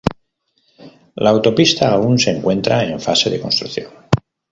La autopista aún se encuentra en fase de construcción.